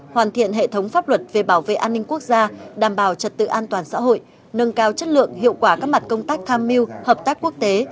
hoàn thiện hệ thống pháp luật về bảo vệ an ninh quốc gia đảm bảo trật tự an toàn xã hội nâng cao chất lượng hiệu quả các mặt công tác tham mưu hợp tác quốc tế